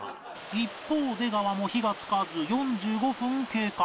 一方出川も火がつかず４５分経過